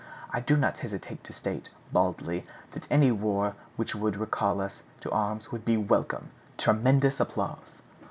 I do not hesitate to state, baldly, that any war which would recall us to arms would be welcome!" (_Tremendous applause!